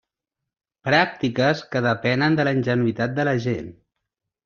Pràctiques que depenen de la ingenuïtat de la gent.